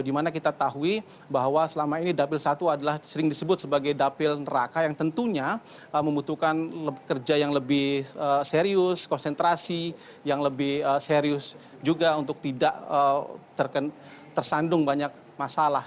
dimana kita tahu bahwa selama ini dapil satu adalah sering disebut sebagai dapil neraka yang tentunya membutuhkan kerja yang lebih serius konsentrasi yang lebih serius juga untuk tidak tersandung banyak masalah